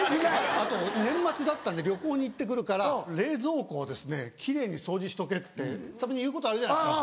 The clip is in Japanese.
あと年末だったんで旅行に行って来るから冷蔵庫を奇麗に掃除しとけってたまに言うことあるじゃないですか。